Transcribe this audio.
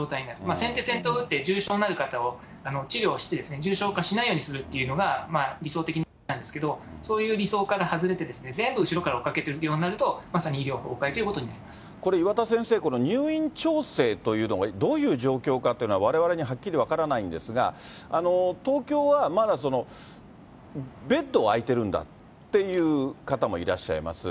先手先手を打って、重症になる方を治療して、重症化しないようにするというのが理想的なんですけど、そういう理想から外れて、全部後ろから追いかけるということになると、まさに医療崩壊といこれ、岩田先生、この入院調整というのがどういう状況かというのは、われわれにははっきり分からないんですが、東京はまだベッドは空いてるんだっていう方もいらっしゃいます。